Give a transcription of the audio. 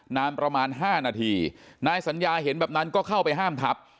นานประมาณ๕นาทีนายสัญญาเห็นแบบนั้นก็เข้าไปห้ามทับ